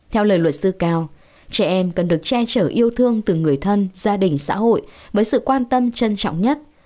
theo lời luật sư cao trẻ em cần được che chở yêu thương từ người thân gia đình xã hội với sự quan tâm trân trọng nhất